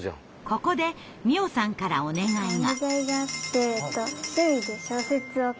ここで美音さんからお願いが。